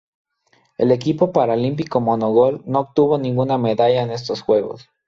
El equipo paralímpico mongol no obtuvo ninguna medalla en estos Juegos.